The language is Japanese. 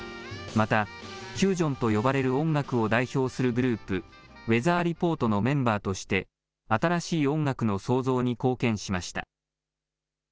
また、フュージョンと呼ばれる音楽を代表するグループ、ウェザー・リポートのメンバーとして、新しい音楽の創造に貢献しました。